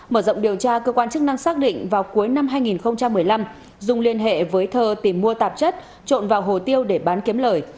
mở rộng điều tra cơ quan chức năng xác định vào cuối năm hai nghìn một mươi năm dung liên hệ với thơ tìm mua tạp chất trộn vào hồ tiêu để bán kiếm lời